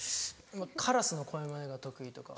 カラスの声マネが得意とか。